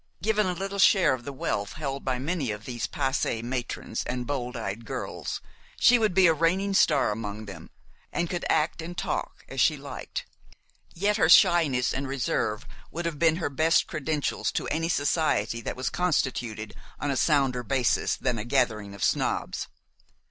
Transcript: Given a little share of the wealth held by many of these passée matrons and bold eyed girls, she would be a reigning star among them, and could act and talk as she liked. Yet her shyness and reserve would have been her best credentials to any society that was constituted on a sounder basis than a gathering of snobs.